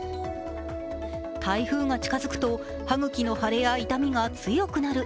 台風が近づくと歯茎の腫れや痛みが強くなる。